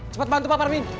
cepat bantu pak parmin